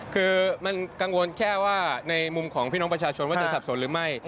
คือมันกังวลแค่ว่าในมุมของพี่น้องประชาชนว่าจะสับสนหรือไม่